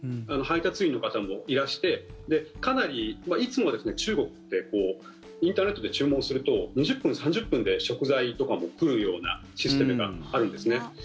配達員の方もいらしていつもは中国ってインターネットで注文すると２０分、３０分で食材とかも来るようなシステムがあるんですね。